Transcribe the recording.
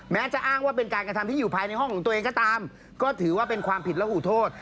แม้จะอ้างว่าเป็นการกระทำที่อยู่ภายในห้องของตัวเองก็ตามก็ถือว่าเป็นความผิดและหูโทษ